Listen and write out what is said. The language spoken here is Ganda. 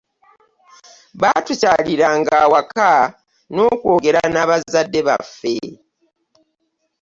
Baatukyalira ng' awaka n'okwogera n'abazadde baffe